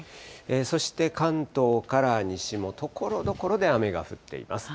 そして、関東から西もところどころで雨が降っています。